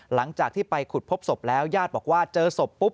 หลังจากที่ไปขุดพบศพแล้วญาติบอกว่าเจอศพปุ๊บ